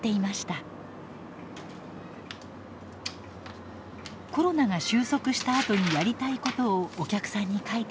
コロナが終息したあとにやりたいことをお客さんに書いてもらい集めました。